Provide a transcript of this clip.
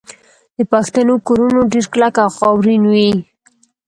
د پښتنو کورونه ډیر کلک او خاورین وي.